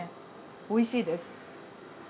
おいしいです。